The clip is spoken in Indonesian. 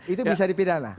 itu bisa dipidana